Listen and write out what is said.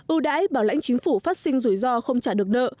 ưu đãi bảo lãnh chính phủ phát sinh rủi ro không trả được nợ